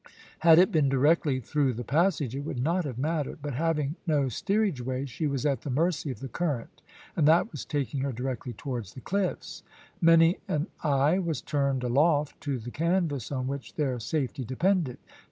Had it been directly through the passage, it would not have mattered; but having no steerage way, she was at the mercy of the current, and that was taking her directly towards the cliffs. Many an eye was turned aloft to the canvas on which their safety depended.